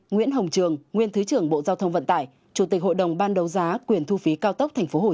hai nguyễn hồng trường nguyên thứ trưởng bộ giao thông vận tải chủ tịch hội đồng ban đấu giá quyền thu phí cao